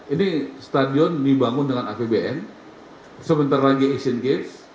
ini stadion dibangun dengan apbn sebentar lagi asian games